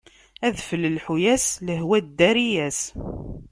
Adfel lḥu-as, lehwa ddari-as.